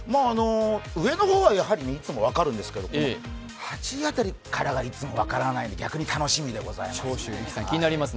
上の方はいつも分かるんですけど、８位辺りからはいつも分からない、逆に楽しみでございます。